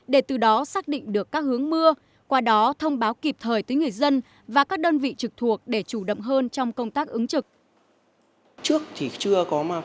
để từ đó xác định được các hướng mưa qua đó thông báo kịp thời tới người dân và các đơn vị trực thuộc để chủ động hơn trong công tác ứng trực